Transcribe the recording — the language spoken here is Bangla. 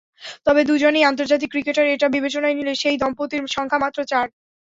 তবে দুজনেই আন্তর্জাতিক ক্রিকেটার, এটা বিবেচনায় নিলে সেই দম্পতিদের সংখ্যা মাত্র চার।